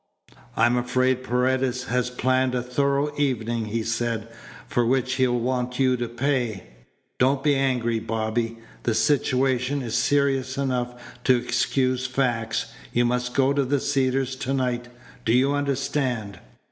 "I'm afraid Paredes has planned a thorough evening," he said, "for which he'll want you to pay. Don't be angry, Bobby. The situation is serious enough to excuse facts. You must go to the Cedars to night. Do you understand?